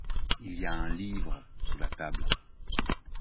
Il y a un livre sous la table.